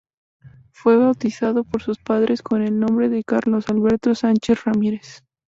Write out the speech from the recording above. Fue bautizado por sus padres con el nombre de Carlos Alberto Sánchez Ramírez.